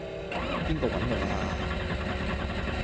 邊個搵我呀?